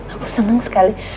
aku senang sekali